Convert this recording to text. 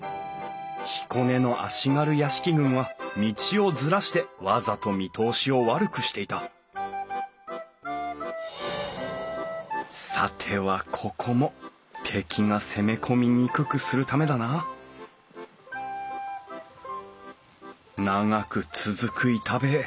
彦根の足軽屋敷群は道をずらしてわざと見通しを悪くしていたさてはここも敵が攻め込みにくくするためだな長く続く板塀。